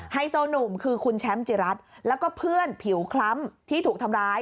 ไฮโซหนุ่มคือคุณแชมป์จิรัตน์แล้วก็เพื่อนผิวคล้ำที่ถูกทำร้าย